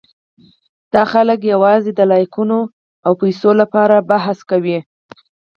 دا خلک یواځې د لایکونو او پېسو لپاره بحث کوي.